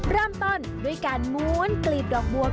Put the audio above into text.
เริ่มต้นด้วยการม้วนกลีบดอกบัว